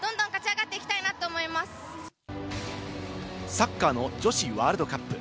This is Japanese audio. サッカーの女子ワールドカップ。